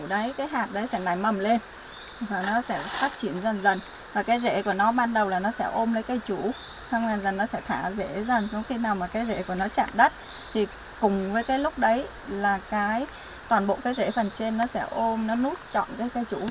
đấy cái hạt đấy sẽ nảy mầm lên và nó sẽ phát triển dần dần và cái rễ của nó ban đầu là nó sẽ ôm lấy cây chủ xong rồi nó sẽ thả rễ dần dần khi nào mà cái rễ của nó chạm đất thì cùng với cái lúc đấy là toàn bộ cái rễ phần trên nó sẽ ôm nó nút trọn cái cây chủ